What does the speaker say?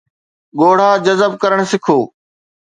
ڳوڙها جذب ڪرڻ سکو